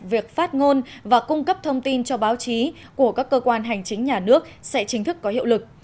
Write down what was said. việc phát ngôn và cung cấp thông tin cho báo chí của các cơ quan hành chính nhà nước sẽ chính thức có hiệu lực